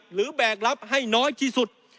แบกรับให้น้อยที่สุด